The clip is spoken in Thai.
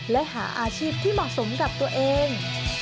และหาอาชีพที่เหมาะสมกับตัวเอง